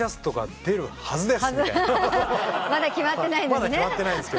まだ決まってないのにね。